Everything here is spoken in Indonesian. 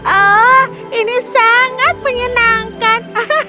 oh ini sangat menyenangkan